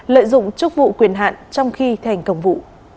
lợi dụng chức vụ quyền hạn trong khi thành công vụ